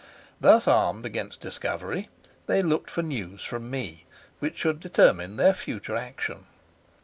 Thus armed against discovery, they looked for news from me which should determine their future action.